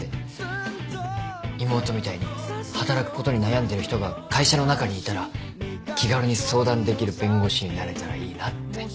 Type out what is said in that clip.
妹みたいに働くことに悩んでる人が会社の中にいたら気軽に相談できる弁護士になれたらいいなって。